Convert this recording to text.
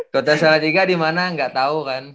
kota salatiga dimana nggak tau kan